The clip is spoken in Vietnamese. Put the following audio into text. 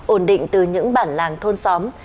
ổn định từ những bản làng thôn xóm